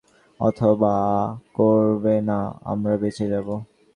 অথবা করবে না, আমরা বেচে যাব।